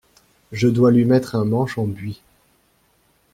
Je dois lui mettre un manche en buis.